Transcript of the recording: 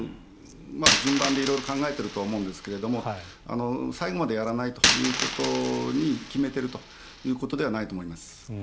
順番で色々考えていると思うんですけど最後までやらないとということに決めているということではないと思います。